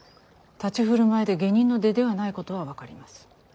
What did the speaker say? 立ち振る舞いで下人の出ではないことは分かります。